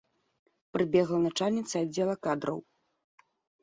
Прыбегла начальніца аддзела кадраў.